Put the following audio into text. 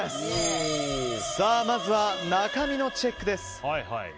まずは中身のチェックです。